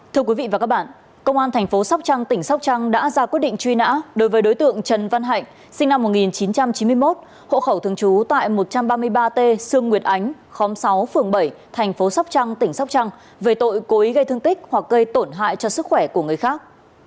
thưa quý vị và các bạn công an thành phố sóc trăng tỉnh sóc trăng đã ra quyết định truy nã đối với đối tượng trần văn hạnh sinh năm một nghìn chín trăm chín mươi một hộ khẩu thường trú tại một trăm ba mươi ba t sương nguyệt ánh khóm sáu phường bảy thành phố sóc trăng tỉnh sóc trăng về tội cố ý gây thương tích hoặc gây tổn hại cho sức khỏe của người khác